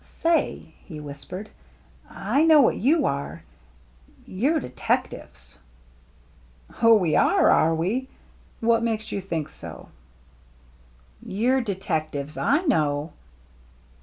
"Say," he whispered, " I know what you's are. You're detectives." " Oh, we are, are we ? What makes you think that ?"" You're detectives. I know."